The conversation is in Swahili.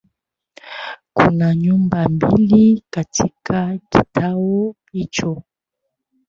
Kuna nyumba mbili katika kituo hicho